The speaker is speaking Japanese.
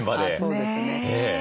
そうですね。